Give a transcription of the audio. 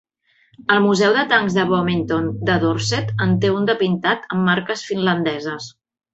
El Museu de Tancs de Bovington de Dorset en té un de pintat amb marques finlandeses.